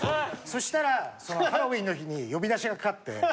そしたらそのハロウィーンの日に呼び出しがかかって。